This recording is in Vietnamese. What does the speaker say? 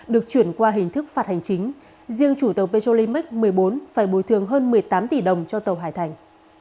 được chuyển qua hình thức phạt hành chính riêng chủ tàu petrolimax một mươi bốn phải bồi thường hơn một mươi tám tỷ đồng cho tàu hải thành